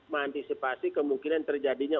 meantisipasi kemungkinan terjadinya